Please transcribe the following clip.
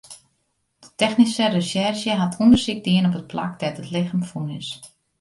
De technyske resjerzje hat ûndersyk dien op it plak dêr't it lichem fûn is.